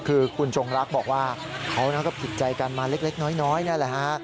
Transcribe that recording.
คือคุณจงรักบอกว่าเขาก็ผิดใจกันมาเล็กน้อยนี่แหละฮะ